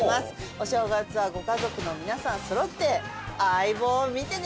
お正月はご家族の皆さんそろって『相棒』を見てね！